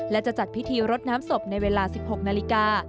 และจะจัดพิธีรดน้ำศพในเวลา๑๖นาฬิกา